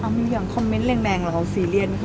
มีอย่างคอมเม้นต์แรงหรือเราก็ซีเรียนค่ะ